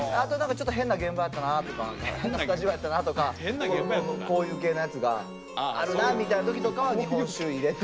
ちょっと変な現場やったなとか変なスタジオやったなとかこういう系のやつがあるなみたいな時とかは日本酒入れて。